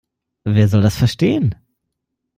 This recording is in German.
Wer soll das verstehen?